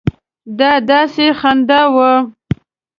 دا داسې خندا وه.